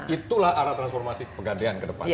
itulah arah transformasi pegadean ke depan